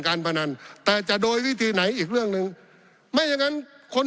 พนันแต่จะโดยวิธีไหนอีกเรื่องหนึ่งไม่อย่างนั้นคน